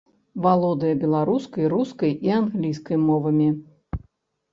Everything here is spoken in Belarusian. Валодае беларускай, рускай і англійскай мовамі.